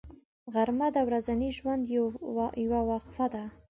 غرمه د ورځني ژوند یوه وقفه ده